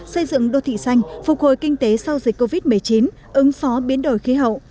xây dựng đô thị xanh phục hồi kinh tế sau dịch covid một mươi chín ứng phó biến đổi khí hậu